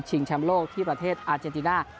แชมป์โลกที่ประเทศอาเจนติน่า